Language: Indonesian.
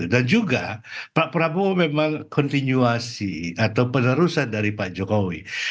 dan juga pak prabowo memang kontinuasi atau penerusan dari pak jokowi